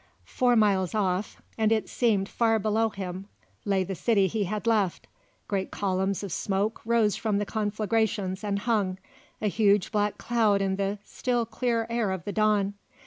Four miles off, and it seemed far below him, lay the city he had left. Great columns of smoke rose from the conflagrations and hung, a huge black cloud in the still clear air of the dawn.